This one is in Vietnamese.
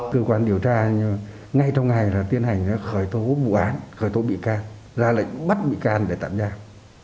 cơ quan điều tra ngay trong ngày đã tiến hành khởi tố vụ án khởi tố bị can ra lệnh bắt bị can để tạm giam